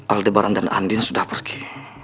aldebaran dan andin sudah pergi